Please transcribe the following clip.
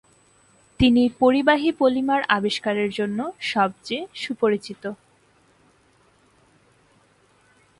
তিনি পরিবাহী পলিমার আবিষ্কারের জন্য সবচেয়ে সুপরিচিত।